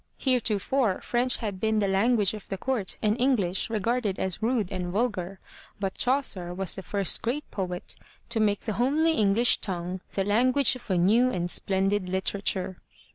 Heretofore, French had been the lan guage of the court and English regarded as rude and vulgar, but Chaucer was the first great poet to make the homely English tongue the language of a new and splendid literature.